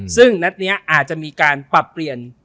ซึ่งนัดนี้อาจจะมีการปรับเปลี่ยน